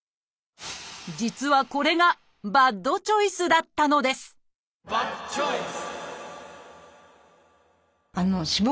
実はこれがバッドチョイスだったのですバッドチョイス！